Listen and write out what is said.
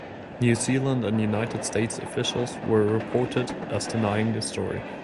New Zealand and United States officials were reported as denying the story.